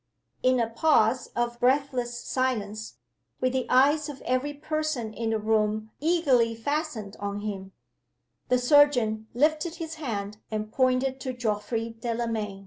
In a pause of breathless silence with the eyes of every person in the room eagerly fastened on him the surgeon lifted his hand and pointed to Geoffrey Delamayn.